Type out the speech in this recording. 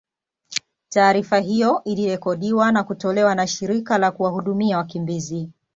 taarifa hiyo iirekodiwa na kutolewa na shirika la kuwahudumia wakimbizi